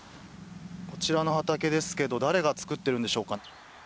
こちらの畑ですけど誰が作ってるんでしょうか。